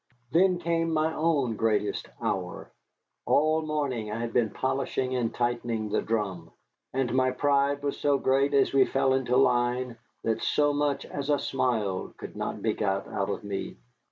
Then came my own greatest hour. All morning I had been polishing and tightening the drum, and my pride was so great as we fell into line that so much as a smile could not be got out of me.